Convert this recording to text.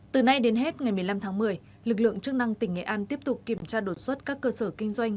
từ nay đến hết ngày một mươi năm tháng một mươi lực lượng chức năng tỉnh nghệ an tiếp tục kiểm tra đột xuất các cơ sở kinh doanh